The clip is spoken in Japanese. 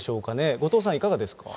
後藤さん、いかがですか。